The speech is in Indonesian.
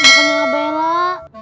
bukan emak bella